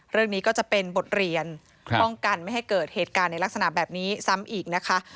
เรื่องนี้ก็จะเป็นบทเรียนป้องกันไม่ให้เกิดเหตุการณ์ในลักษณะแบบนี้ซ้ำอีกนะคะ